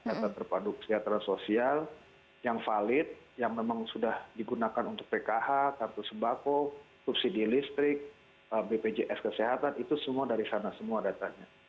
data terpadu kesejahteraan sosial yang valid yang memang sudah digunakan untuk pkh kartu sembako subsidi listrik bpjs kesehatan itu semua dari sana semua datanya